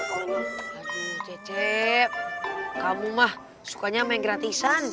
aduh cecep kamu mah sukanya main gratisan